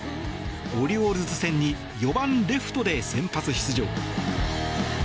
オリオールズ戦に４番レフトで先発出場。